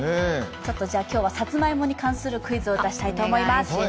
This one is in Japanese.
今日はさつまいもに関するクイズを出したいと思います。